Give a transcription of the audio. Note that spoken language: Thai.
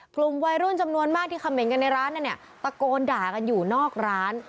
กลุ่มวัยรุ่นจำนวนมากที่คำเห็นกันในร้านนั้นเนี่ยตะโกนด่ากันอยู่นอกร้าน